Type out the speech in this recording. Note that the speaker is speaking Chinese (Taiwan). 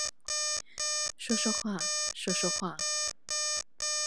說說話，說說話